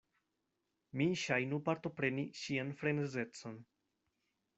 Mi ŝajnu partopreni ŝian frenezecon.